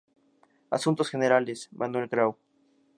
Asuntos generales: Manuel Grau.